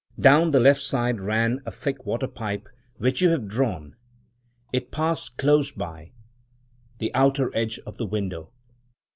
Down the left side ran a thick water pipe which you have drawn — it passed close by the outer edge of the window.